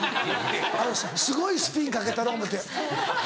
すごいスピンかけたろ思うて。